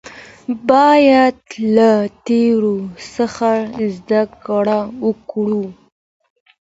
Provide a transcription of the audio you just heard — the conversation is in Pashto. باید له تیرو څخه زده کړه وکړو